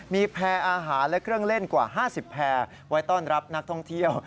มีแพร่อาหารและเครื่องเล่นกว่า๕๐แพรไว้ต้อนรับนักท่องเที่ยว